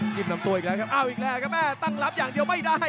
จิ้มลำตัวนะครับตั้งรับอย่างเดียวไม่ได้